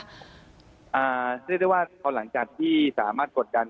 เรียกได้ว่าพอหลังจากที่สามารถกดดัน